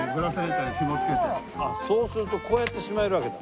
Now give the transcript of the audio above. そうするとこうやってしまえるわけだ。